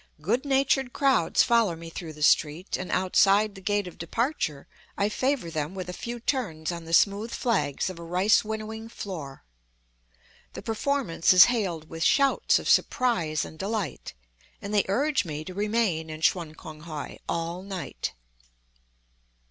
Good natured crowds follow me through the street; and outside the gate of departure I favor them with a few turns on the smooth flags of a rice winnowing floor. The performance is hailed with shouts of surprise and delight, and they urge me to remain in Chun Kong hoi all night.